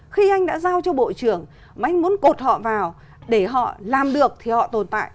khi anh đã giao cho bộ trưởng mà anh muốn cột họ vào để họ làm được thì họ tồn tại